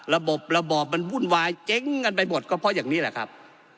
ระบบระบอบมันวุ่นวายเจ๊งกันไปหมดก็เพราะอย่างนี้แหละครับ